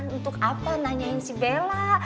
untuk apa nanyain si bella